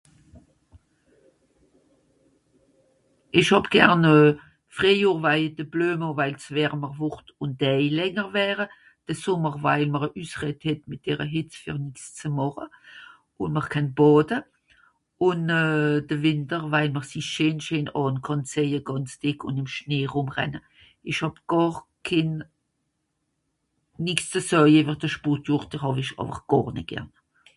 ìsch hàb gern euh freijohr waije de blöme ùn waij's wärmer wòrd ùn d'däi länger wäre de sommer waij m'r e üssret het mìt dere hìtz fer nix ze màche ùn mr känn bàde ùn euh de wìnter waij m'r sìch scheen scheen àn kànn zeje gànz deck ùn ìm schnee rùm renne ìsch hàb gàr kenn nix ze söje ìwer de spotjohr der hàw'sich àwer gàr nìt gern